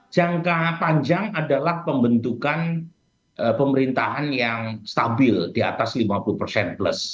jangka panjang adalah pembentukan pemerintahan yang stabil di atas lima puluh persen plus